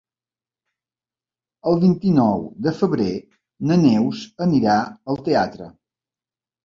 El vint-i-nou de febrer na Neus anirà al teatre.